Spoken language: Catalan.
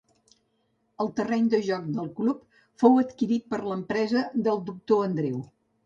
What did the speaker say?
El terreny de joc del club fou adquirit per l'empresa del Doctor Andreu.